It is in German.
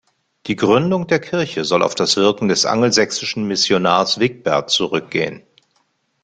Die Gründung der Kirche soll auf das Wirken des angelsächsischen Missionars Wigbert zurückgehen.